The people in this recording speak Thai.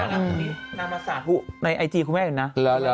นามัสาหุในไอจีคุณแม่หนึ่งนะ